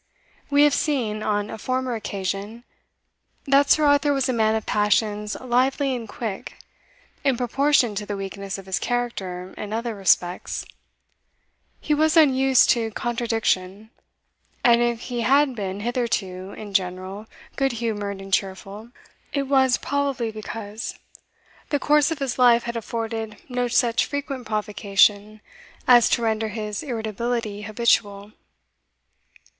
We have seen, on a former occasion, that Sir Arthur was a man of passions lively and quick, in proportion to the weakness of his character in other respects; he was unused to contradiction, and if he had been hitherto, in general, good humoured and cheerful, it was probably because the course of his life had afforded no such frequent provocation as to render his irritability habitual.